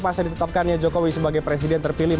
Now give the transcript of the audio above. masa ditetapkannya jokowi sebagai presiden terpilih